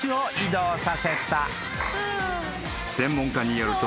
［専門家によると］